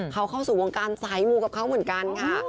เขาเข้าสู่วงการสายมูกับเขาเหมือนกันค่ะ